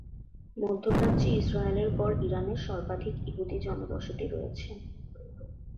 মধ্যপ্রাচ্যে ইসরায়েলের পর ইরানে সর্বাধিক ইহুদি জনবসতি রয়েছে।